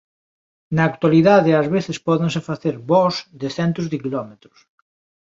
Na actualidade ás veces pódense facer voos de centos de quilómetros.